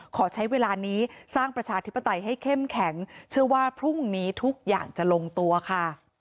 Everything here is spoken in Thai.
ขอใช้เวลานี้สร้างประชาธิปไตยให้เข้มแข็งเชื่อว่าพรุ่งนี้ทุกอย่างจะลงตัวค่ะ